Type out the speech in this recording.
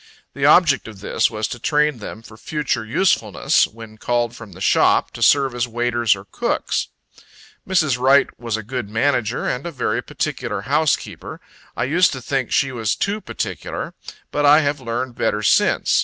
The object of this was to train them for future usefulness, when called from the shop, to serve as waiters or cooks. Mrs. Wright was a good manager, and a very particular housekeeper. I used to think she was too particular. But I have learned better since.